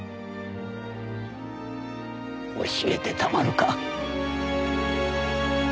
教えてたまるか。